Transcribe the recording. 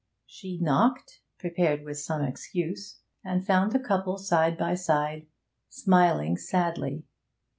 She knocked prepared with some excuse and found the couple side by side, smiling sadly.